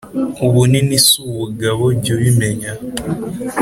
Ubunini si ubugabo jyu bimenya